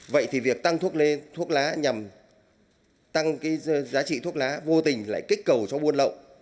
vậy thì việc tăng thuốc lá nhằm tăng cái giá trị thuốc lá vô tình lại kích cầu cho bôn lậu